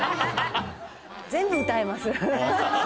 全部歌えます。